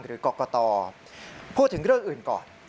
หรือกรกตพูดถึงเรื่องอื่นก่อน